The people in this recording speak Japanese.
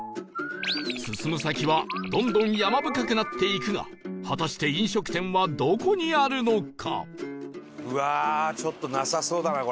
進む先はどんどん山深くなっていくが果たして飲食店はどこにあるのか？